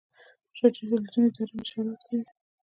د راډیو تلویزیون اداره نشرات کوي